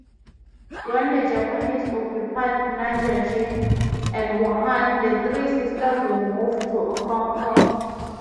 When the Japanese occupied Nanjing and Wuhan, the three sisters moved to Hong Kong.